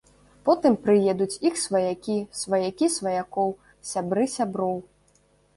Потым прыедуць іх сваякі, сваякі сваякоў, сябры сяброў.